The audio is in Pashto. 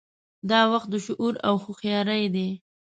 دا وخت د شعور او هوښیارۍ دی.